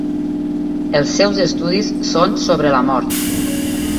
Els seus estudis són sobre la mort.